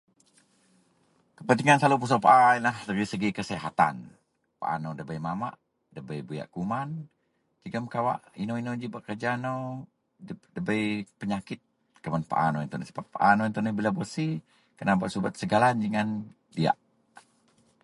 Kepentingan selalu pusok paa yenlah dari segi kesihatan. Paa nou ndabei mamak, ndabei buyak kuman jegem kawak inou-inou ji bak kereja nou ndabei penyakit kuman paa nou itou sebab bila paa nou beresi kena subet segala ji ngan diyak.